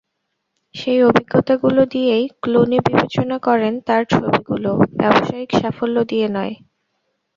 সেই অভিজ্ঞতাগুলো দিয়েই ক্লুনি বিবেচনা করেন তাঁর ছবিগুলো, ব্যবসায়িক সাফল্য দিয়ে নয়।